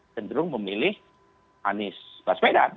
tenderung memilih anies busway dan